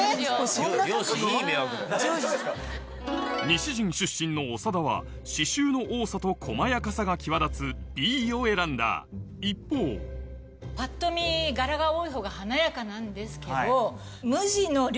西陣出身の長田は刺繍の多さと細やかさが際立つＢを選んだ一方パッと見柄が多いほうが華やかなんですけど。